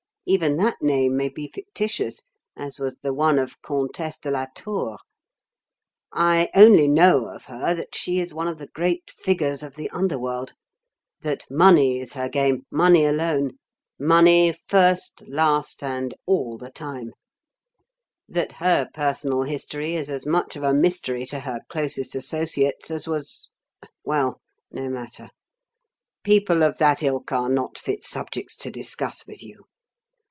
Even that name may be fictitious, as was the one of 'Comtesse de la Tour.' I only know of her that she is one of the great figures of the Underworld; that money is her game money alone; money first, last, and all the time; that her personal history is as much of a mystery to her closest associates as was well, no matter; people of that ilk are not fit subjects to discuss with you.